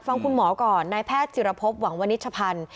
ฟังคุณหมอก่อนนายแพทย์จิรพบหวังวนิชพันธ์